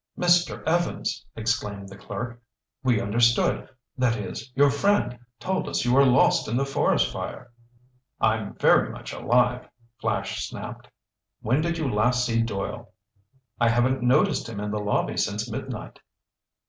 "Mr. Evans!" exclaimed the clerk. "We understood—that is, your friend told us you were lost in the forest fire!" "I'm very much alive," Flash snapped. "When did you last see Doyle?" "I haven't noticed him in the lobby since midnight."